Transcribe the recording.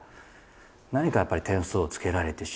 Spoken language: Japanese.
何かやっぱり点数をつけられてしまう。